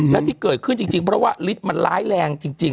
และที่เกิดขึ้นจริงเพราะว่าฤทธิ์มันร้ายแรงจริง